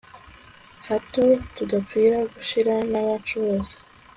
hato tudapfira gushira n'abacu bose